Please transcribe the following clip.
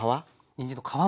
にんじんの皮も。